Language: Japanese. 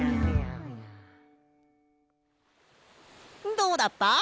どうだった？